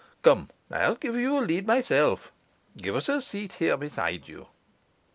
Come, I'll give you a lead myself. Give us a seat here beside you.